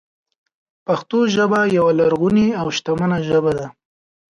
پښتو ژبه یوه لرغونې او شتمنه ژبه ده.